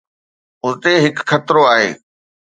اتي هڪ خطرو آهي.